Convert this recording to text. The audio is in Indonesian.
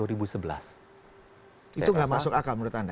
itu tidak masuk akal menurut anda